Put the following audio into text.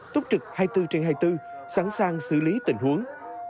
túc trực hai mươi bốn trên hai mươi bốn sẵn sàng xử lý tình huống